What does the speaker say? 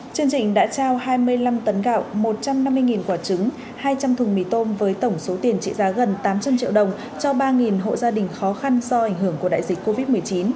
chương trình đã trao hai mươi năm tấn gạo một trăm năm mươi quả trứng hai trăm linh thùng mì tôm với tổng số tiền trị giá gần tám trăm linh triệu đồng cho ba hộ gia đình khó khăn do ảnh hưởng của đại dịch covid một mươi chín